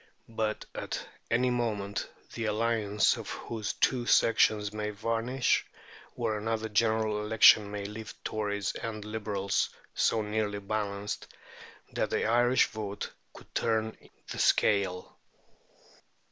But at any moment the alliance of those two sections may vanish, or another General Election may leave Tories and Liberals so nearly balanced that the Irish vote could turn the scale.